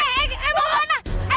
yang sendirian lagi